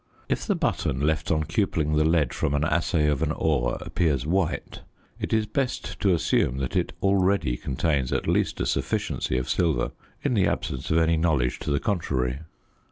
If the button left on cupelling the lead from an assay of an ore appears white, it is best to assume that it already contains at least a sufficiency of silver, in the absence of any knowledge to the contrary.